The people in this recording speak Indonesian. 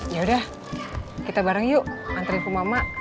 yaudah kita bareng yuk nganterin kumah emak